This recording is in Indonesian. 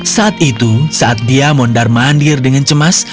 saat itu saat dia mondar mandir dengan cemas